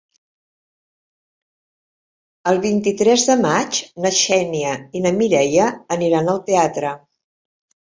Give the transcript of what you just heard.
El vint-i-tres de maig na Xènia i na Mireia aniran al teatre.